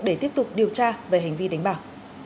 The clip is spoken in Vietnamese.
để tiếp tục điều tra về hành vi đánh bạc